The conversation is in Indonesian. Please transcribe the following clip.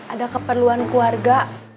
ada keperluan keluarga